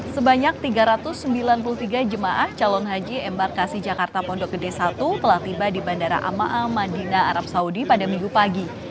sebanyak tiga ratus sembilan puluh tiga jemaah calon haji embarkasi jakarta pondok gede satu telah tiba di bandara amaa madinah arab saudi pada minggu pagi